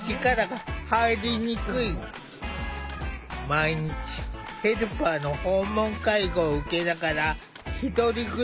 毎日ヘルパーの訪問介護を受けながら１人暮らしをしている。